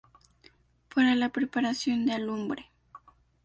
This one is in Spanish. Para la preparación de alumbre.